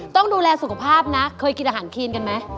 ต้องดูแลสุขภาพนะเคยกินอาหารครีนกันไหม